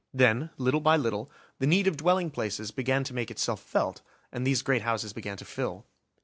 Then, little by little, the need of dwelling places began to make itself felt, and these great houses began to fill.